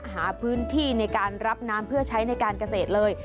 หาพื้นที่ในการรับน้ำเพื่อใช้ในการเกษตรเลย